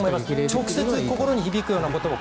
直接心に響くような言葉を。